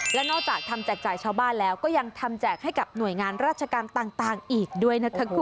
และนอกจากทำแจกจ่ายชาวบ้านแล้วก็ยังทำแจกให้กับหน่วยงานราชการต่างอีกด้วยนะคะคุณ